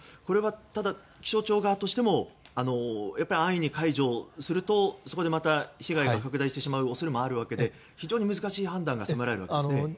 ただ気象庁側としても安易に解除するとそこでまた、被害が拡大してしまう恐れもあるわけで非常に難しい判断が迫られるわけですね。